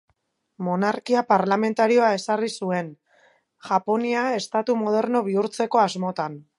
Monarkia parlamentarioa ezarri zuen, Japonia estatu moderno bihurtzeko asmotan.